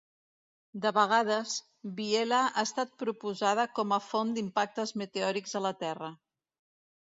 De vegades, Biela ha estat proposada com a font d'impactes meteòrics a la Terra.